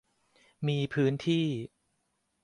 มีพื้นที่